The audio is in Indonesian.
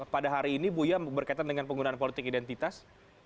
pada hari ini buya berkaitan dengan penggunaan politik identitas